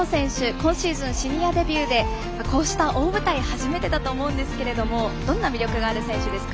今シーズン、シニアデビューでこうした大舞台、初めてだと思うんですけどどんな魅力がある選手ですか？